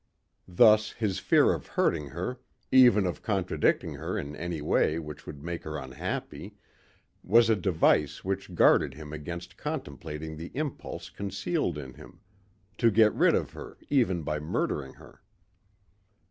Thus his fear of hurting her, even of contradicting her in any way which would make her unhappy, was a device which guarded him against contemplating the impulse concealed in him to get rid of her even by murdering her.